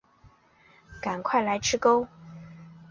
赶快来吃钩